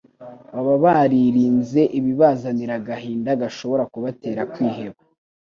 baba baririnze ibibazanira agahinda gashobora kubatera kwiheba.